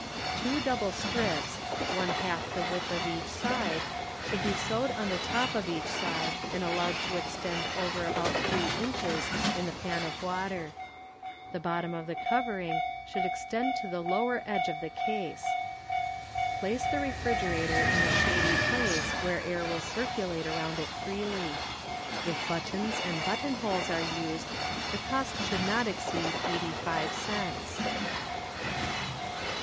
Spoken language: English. Two double strips, one half the width of each side, should be sewed on the top of each side and allowed to extend over about three inches in the pan of water. The bottom of the covering should ex tend to the lower edge of the case. Place the refrigerator in a shady_ place where air will circulate around it freely. If buttons and buttonholes are used, the cost should not exceed eighty five cents.